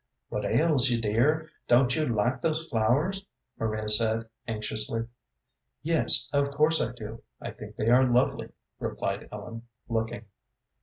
"What ails you, dear; don't you like those flowers?" Maria said, anxiously. "Yes, of course I do; I think they are lovely," replied Ellen, looking.